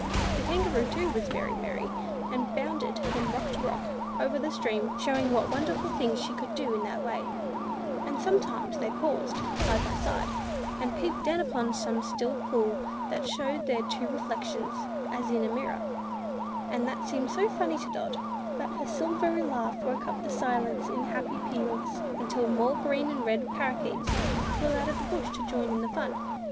The Kangaroo, too, was very merry, and bounded from rock to rock over the stream, showing what wonderful things she could do in that way; and sometimes they paused, side by side, and peeped down upon some still pool that showed their two reflections as in a mirror; and that seemed so funny to Dot, that her silvery laugh woke the silence in happy peals, until more green and red Parrakeets flew out of the bush to join in the fun.